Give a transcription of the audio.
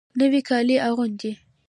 نوي کالي اغوندې